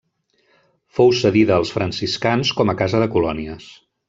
Fou cedida als franciscans com a casa de colònies.